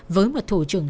với một thủ trưởng